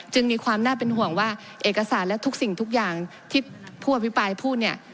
มีความน่าเป็นห่วงว่าเอกสารและทุกสิ่งทุกอย่างที่ผู้อภิปรายพูดเนี่ย